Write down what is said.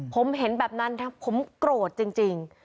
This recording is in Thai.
ผมเห็นแบบนั้นผมโกรธจริง